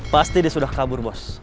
pasti dia sudah kabur bos